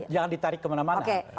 jangan ditarik kemana mana